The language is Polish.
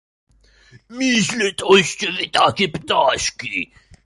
"myślę, toście wy takie ptaszki?..."